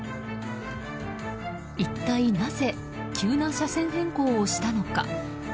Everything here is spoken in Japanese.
一体なぜ急な車線変更をしたのか。